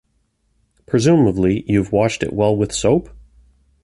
Presumably you've washed it well with soap?